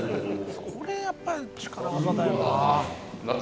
これやっぱり力わざだよな。